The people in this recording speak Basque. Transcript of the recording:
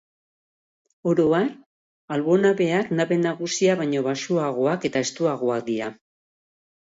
Oro har, albo-nabeak nabe nagusia baino baxuagoak eta estuagoak dira.